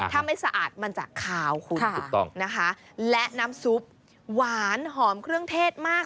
ถ้าไม่สะอาดมันจะขาวคุณถูกต้องนะคะและน้ำซุปหวานหอมเครื่องเทศมาก